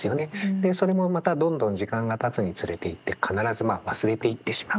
でそれもまたどんどん時間がたつにつれていって必ずまあ忘れていってしまう。